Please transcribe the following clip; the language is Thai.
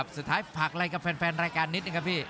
สุดท้ายผักอะไรกับแฟนรายการนิดนึงครับพี่